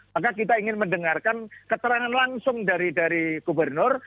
maka kita ingin mendengarkan keterangan langsung dari gubernur